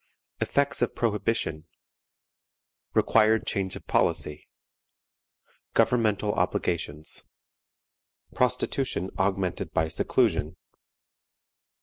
Effects of Prohibition. Required Change of Policy. Governmental Obligations. Prostitution augmented by Seclusion.